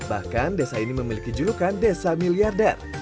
bahkan desa ini memiliki julukan desa miliarder